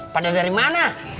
pada dari mana